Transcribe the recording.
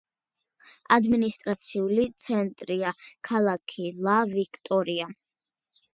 ადმინისტრაციული ცენტრია ქალაქი ლა-ვიქტორია.